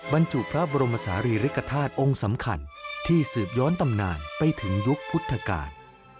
บรรจุพระบรมศาลีริกฐาตุองค์สำคัญที่สืบย้อนตำนานไปถึงยุคพุทธกาล